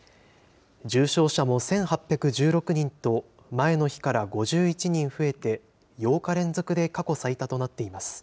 重症者も１８１６人と、前の日から５１人増えて、８日連続で過去最多となっています。